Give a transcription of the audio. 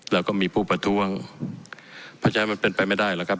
แล้วก็มีผู้ประท้วงเพราะฉะนั้นมันเป็นไปไม่ได้หรอกครับ